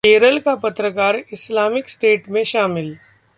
केरल का पत्रकार Islamic State में शामिल